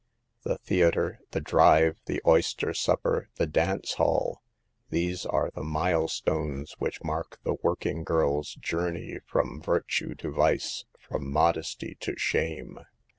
The theater, the drive, the oyster supper, the dance hall — these are the mile stones which mark the working girl's journey from virtue to vice, from modesty to shame.